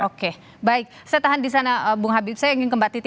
oke baik saya tahan di sana bung habib saya ingin ke mbak titi